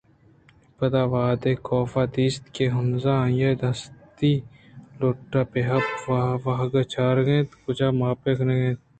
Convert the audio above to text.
پدا وہدے کاف ءَدیست کہ ہانز آئی ءِ دستی لٹ ءَ پہ حُبّ ءُواہگ چارگ ءُکچ ءُماپ کنگ ءَ اِنت